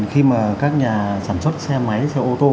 khi mà các nhà sản xuất xe máy xe ô tô